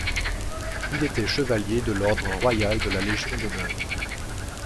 Il était chevalier de l'Ordre royal de la Légion d'honneur.